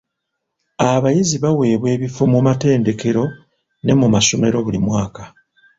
Abayizi baaweebwa ebifo mu matendekero ne mu masomero buli mwaka.